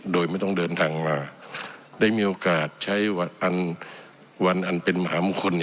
โดยไม่ต้องเดินทางมาได้มีโอกาสใช้วันอันเป็นมหามงคล